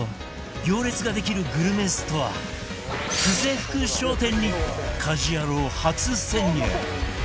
行列ができるグルメストア久世福商店に『家事ヤロウ！！！』初潜入！